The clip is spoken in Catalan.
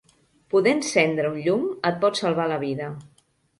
Poder encendre un llum et pot salvar la vida.